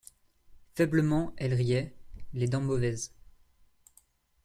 Faiblement elle riait, les dents mauvaises.